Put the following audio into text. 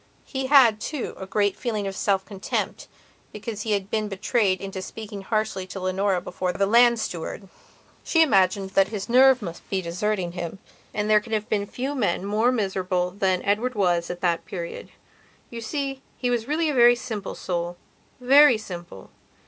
He had, too, a great feeling of self contempt because he had been betrayed into speaking harshly to Leonora before that land steward. She imagined that his nerve must be deserting him, and there can have been few men more miserable than Edward was at that period. You see, he was really a very simple soulvery simple.